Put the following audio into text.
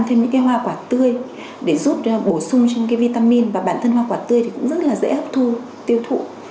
thêm những hoa quả tươi để giúp bổ sung vitamin và bản thân hoa quả tươi cũng rất dễ hợp thụ tiêu thụ